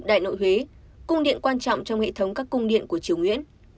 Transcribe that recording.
đại nội huế cung điện quan trọng trong hệ thống các cung điện của triều nguyễn